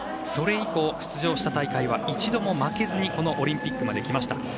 それ以降、出場した大会は一度も負けずにこのオリンピックまできました。